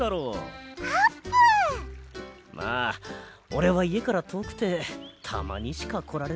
まあおれはいえからとおくてたまにしかこられないんだよなあ。